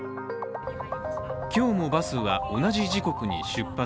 今日もバスは同じ時刻に出発。